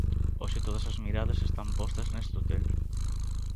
Hoxe todas as miradas están postas neste hotel.